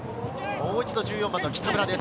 もう一度、１４番の北村です。